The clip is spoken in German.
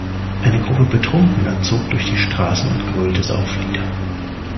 Eine Gruppe Betrunkener zog durch die Straßen und grölte Sauflieder.